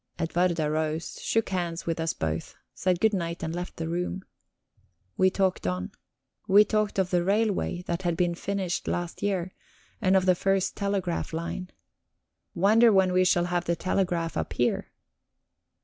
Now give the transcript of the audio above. Edwarda rose, shook hands with us both, said good night, and left the room. We sat on. We talked of the railway that had been finished last year, and of the first telegraph line. "Wonder when we shall have the telegraph up here."